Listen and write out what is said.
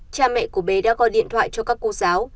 cha mẹ của bé đã gọi điện thoại cho các cô giáo